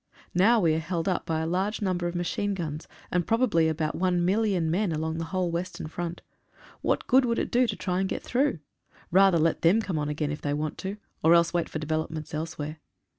Now we are held up by a large number of machine guns, and probably about 1,000,000 men along the whole western front. What good would it do to try and get through? Rather let them come on again if they want to, or else wait for developments elsewhere.